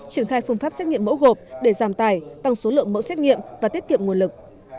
triển khai phương pháp xét nghiệm mẫu gộp để giảm tài tăng số lượng mẫu xét nghiệm và tiết kiệm nguồn lực